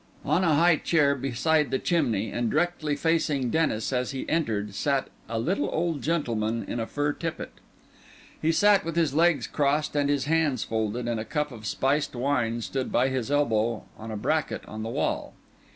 On a high chair beside the chimney, and directly facing Denis as he entered, sat a little old gentleman in a fur tippet. He sat with his legs crossed and his hands folded, and a cup of spiced wine stood by his elbow on a bracket on the wall.